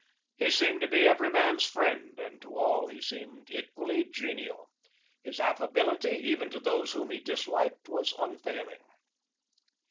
He seemed to be every man's friend, and to all he seemed equally genial. His affability, even to those whom he disliked, was unfailing.